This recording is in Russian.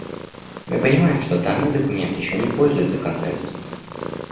Мы понимаем, что данный документ еще не пользуется консенсусом.